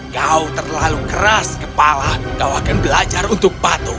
kau terlalu keras kepala kau akan belajar untuk patuh